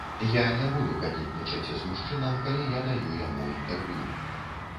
Я не буду какетнічаць з мужчынам, калі я даю яму інтэрв'ю.